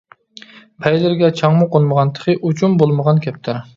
پەيلىرىگە چاڭمۇ قونمىغان، تېخى ئۇچۇم بولمىغان كەپتەر.